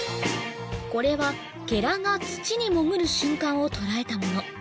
これはケラが土に潜る瞬間を捉えたもの